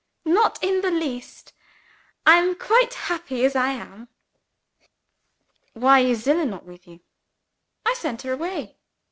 "Not in the least. I am quite happy as I am. "Why is Zillah not with you?" "I sent her away."